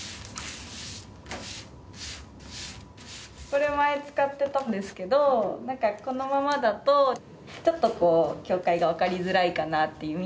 これ前使ってたんですけどこのままだとちょっとこう境界がわかりづらいかなっていう。